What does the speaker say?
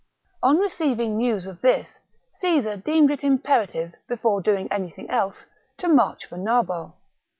On receiving news of this, Caesar deemed it imperative, before doing anything else, to march for Narbo.